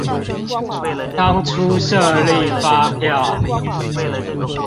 當初設立發票